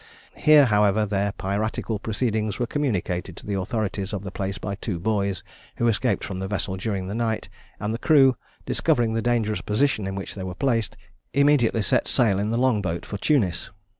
Here, however, their piratical proceedings were communicated to the authorities of the place by two boys, who escaped from the vessel during the night; and the crew, discovering the dangerous position in which they were placed, immediately set sail in the long boat for Tunis.